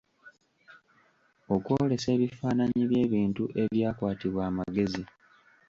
Okwolesa ebifaananyi by'ebintu ebyakwatibwa amagezi .